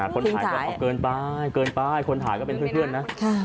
คนถ่ายก็เอาเกินไปเกินไปคนถ่ายก็เป็นเพื่อนนะ